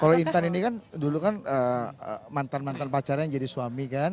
kalau intan ini kan dulu kan mantan mantan pacarnya yang jadi suami kan